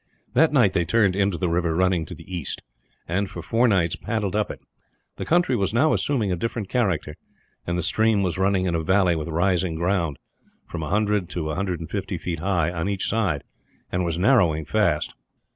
That night they turned into the river running to the east and, for four nights, paddled up it. The country was now assuming a different character, and the stream was running in a valley with rising ground from a hundred to a hundred and fifty feet high on each side, and was narrowing very fast.